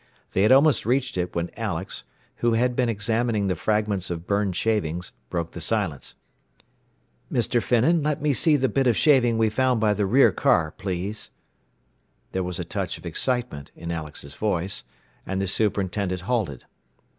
They had almost reached it when Alex, who had been examining the fragments of burned shavings, broke the silence. "Mr. Finnan, let me see the bit of shaving we found by the rear car, please." There was a touch of excitement in Alex's voice, and the superintendent halted.